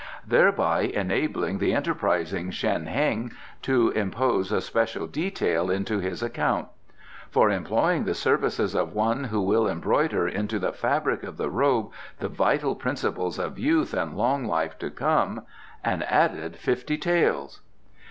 "Thereby enabling the enterprising Shen Heng to impose a special detail into his account: 'For employing the services of one who will embroider into the fabric of the robe the vital principles of youth and long life to come an added fifty taels.